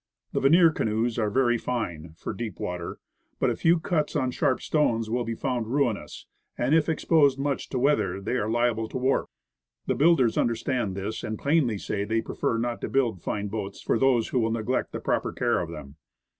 The veneered canoes are very fine, for deep water; but a few cuts on sharp stones will be found ruinous; and if exposed much to weather they are liable to warp. The builders understand this, and plainly say that they prefer not to build fine boats for those who will neglect the proper care of them.